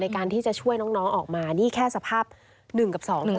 การที่จะช่วยน้องออกมานี่แค่สภาพ๑กับ๒นะคะ